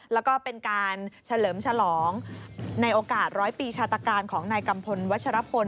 แล้วก็เป็นการเฉลิมฉลองในโอกาสร้อยปีชาตการของนายกัมพลวัชรพล